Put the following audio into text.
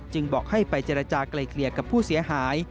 จึงบอกให้ไปจรจาไกลเกลียดกับผู้เสียหาย